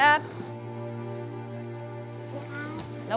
อะไรคะ